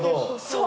そう！